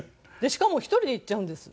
しかも１人で行っちゃうんです。